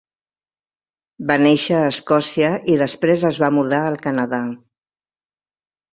Va néixer a Escòcia i després es va mudar al Canadà.